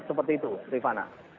seperti itu trivana